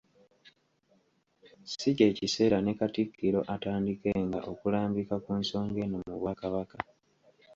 Si ky'ekiseera ne Katikkiro atandikenga okulambika ku nsonga eno mu Bwakabaka